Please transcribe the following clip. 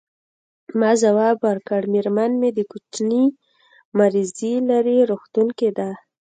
ما ځواب ورکړ: میرمن مې د کوچني مریضي لري، روغتون کې ده.